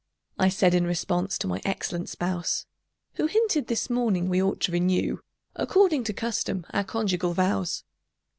I said in response to my excellent spouse, Who hinted, this morning, we ought to renew According to custom, our conjugal vows.